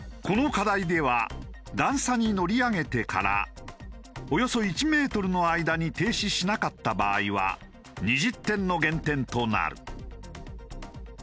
この課題では段差に乗り上げてからおよそ１メートルの間に停止しなかった場合は２０点の減点となる。